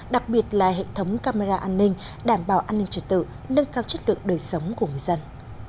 đặc biệt là hệ thống camera an ninh đảm bảo an ninh trật tự nâng cao chất lượng đời sống của người dân